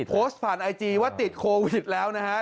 โพสต์ผ่านไอจีว่าติดโควิดแล้วนะฮะ